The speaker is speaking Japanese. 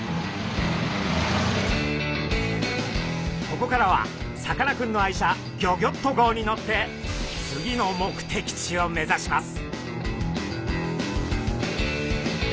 ここからはさかなクンの愛車ギョギョッと号に乗って次の目的地を目指します。